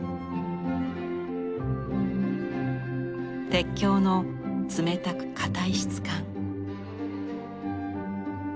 鉄橋の冷たく硬い質感。